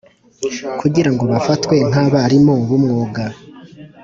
Kugira ngo bafatwe nk abarimu b umwuga